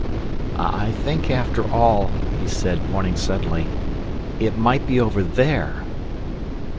"I think after all," he said, pointing suddenly, "it might be over there."